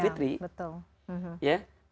kita harus menunggu a'idul fitri